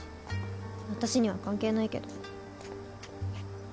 私には関係ないけど